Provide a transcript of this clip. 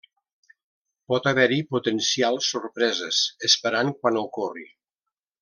Pot haver-hi potencials sorpreses esperant quan ocorri.